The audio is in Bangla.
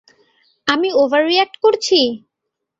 আমি ওভার রিয়েক্ট করছি?